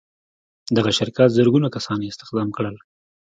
دغه شرکت زرګونه کسان استخدام کړل.